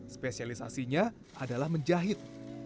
spesialisasinya adalah menjahit